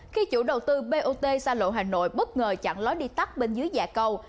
khi chủ đầu tư bot xa lộ hà nội bất ngờ chặn lối đi tắt bên dưới dạ cầu